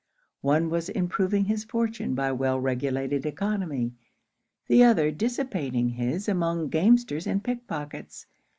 One was improving his fortune by well regulated oeconomy; the other dissipating his among gamesters and pick pockets.